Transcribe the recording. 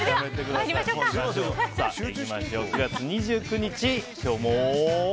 ９月２９日、今日も。